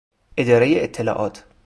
اداره اطلاعات